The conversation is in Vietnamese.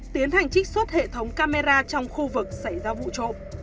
tiến hành trích xuất hệ thống camera trong khu vực xảy ra vụ trộm